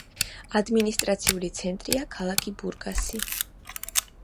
ადმინისტრაციული ცენტრია ქალაქი ბურგასი.